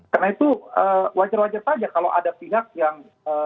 karena itu wajar wajar saja kalau ada pihak yang